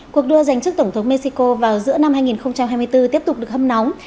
cuộc đua giành chức tổng thống mexico vào giữa năm hai nghìn hai mươi bốn tiếp tục được hâm nóng